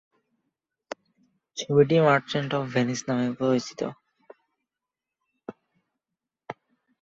ছবিটি Merchant of Venice নামেও পরিচিত।